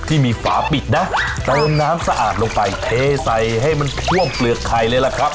ที่มีฝาปิดนะเติมน้ำสะอาดลงไปเทใส่ให้มันท่วมเปลือกไข่เลยล่ะครับ